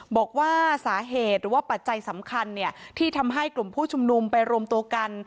บอกว่าสาเหตุหรือว่าปัจจัยสำคัญที่ทำให้กลุ่มผู้ชุมนุมไปรวมตัวกัน